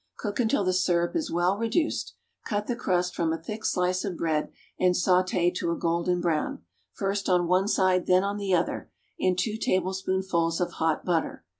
Cook until the syrup is well reduced. Cut the crust from a thick slice of bread and sauté to a golden brown, first on one side, then on the other, in two tablespoonfuls of hot butter.